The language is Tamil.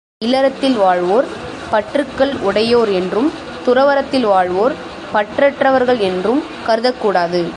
இல்லறத்தில் வாழ்வோர் பற்றுக்கள் உடையோர் என்றும், துறவறத்தில் வாழ்வோர் பற்றற்றவர்கள் என்றும் கருதக்கூடாது.